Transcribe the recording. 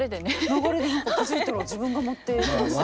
流れで何か気付いたら自分が持っていきましたね。